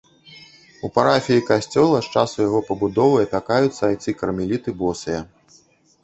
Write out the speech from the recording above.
У парафіі касцёла з часу яго пабудовы апякаюцца айцы кармеліты босыя.